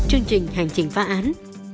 chương trình hành trình phá án